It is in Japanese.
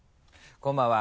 こんばんは。